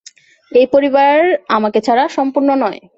এই পরিবার আমাকে ছাড়া সম্পূর্ণ নয়।